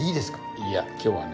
いや今日はね